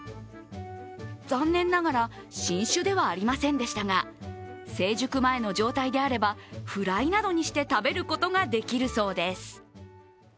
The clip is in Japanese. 残念ながら新種ではありませんでしたが、成熟前の状態であればフライなどにして食べることができるそうです。